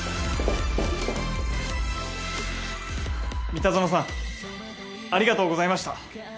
三田園さんありがとうございました。